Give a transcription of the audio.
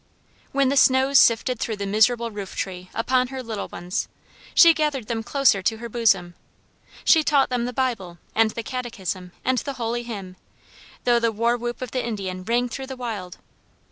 When the snows sifted through the miserable roof tree upon her little ones, she gathered them closer to her bosom; she taught them the Bible, and the catechism, and the holy hymn, though the war whoop of the Indian rang through the wild.